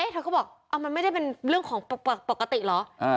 เธอก็บอกมันไม่ได้เป็นเรื่องของปกติเหรอ